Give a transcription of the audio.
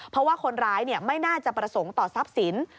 เพราะว่าคนร้ายไม่น่าจะประสงค์ต่อทรัพย์สิน